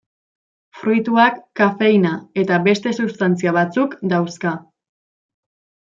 Fruituak kafeina eta beste substantzia batzuk dauzka.